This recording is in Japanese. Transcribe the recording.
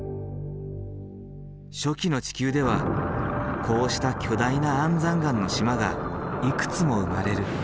初期の地球ではこうした巨大な安山岩の島がいくつも生まれる。